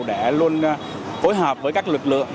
để luôn phối hợp với các lực lượng